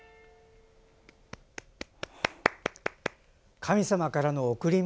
神様からの贈り物。